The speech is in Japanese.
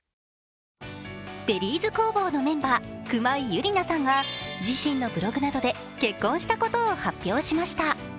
Ｂｅｒｒｙｚ工房のメンバー・熊井友理奈さんが自身のブログなどで結婚したことを発表しました。